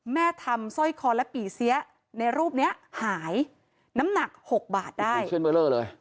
แม่ทำสร้อยคอและปี่เสียในรูปนี้หายน้ำหนักหกบาทได้เป็นเส้นเบอร์เลอร์เลย